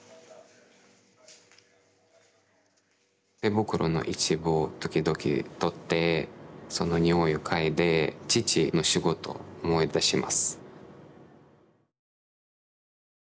手袋の一部を時々取ってその匂いを嗅いで父の仕事思い出します。